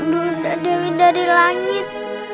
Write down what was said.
bunda dewi dari langit